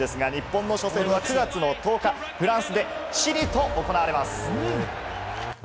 日本の初戦は９月の１０日、フランスでチリと行われます。